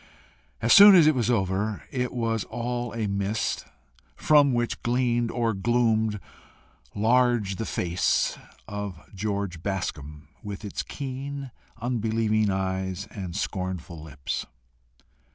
As soon as it was over, it was all a mist from which gleamed or gloomed large the face of George Bascombe with its keen unbelieving eyes and scornful lips.